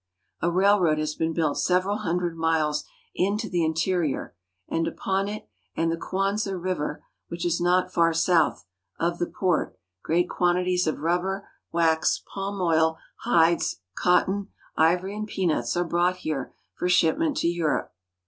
A railroad has been built several hundred miles into the interior, and upon it and the Kuanza (Kwan'za) River, which is not far south of the port, great quantities of rubber, wax, palm oil, hides, cotton, ivory, and peanuts are brought here for shipment to Europe.